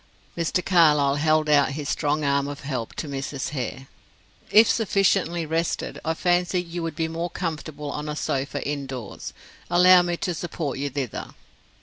Mr. Carlyle held out his strong arm of help to Mrs. Hare. "If sufficiently rested, I fancy you would be more comfortable on a sofa indoors. Allow me to support you thither."